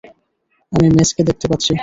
আমি মেসকে দেখতে পাচ্ছি।